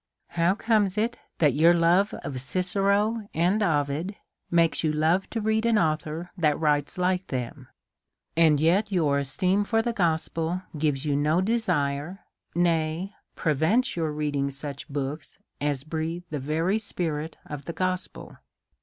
How comes it that your love of Cicero and Ovid makes you love to read an author who writes like them ; and yet your esteem for the gospel gives you no desire, nay, prevents your reading such books as breathe the very spirit of the gospel?